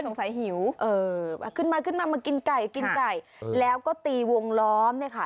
หิวเออขึ้นมาขึ้นมามากินไก่กินไก่แล้วก็ตีวงล้อมเนี่ยค่ะ